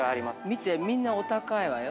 ◆見て、みんなお高いわよ。